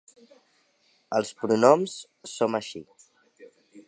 Els pronoms som així.